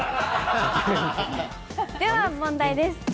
では問題です。